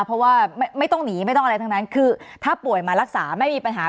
เพราะว่าไม่ต้องหนีไม่ต้องอะไรทั้งนั้นคือถ้าป่วยมารักษาไม่มีปัญหา